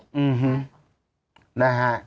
หนึ่งฮุนะฮะ